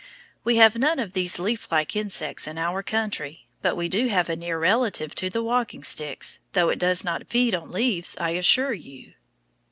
We have none of these leaf like insects in our country, but we do have a near relative to the walking sticks, though it does not feed on leaves, I assure you.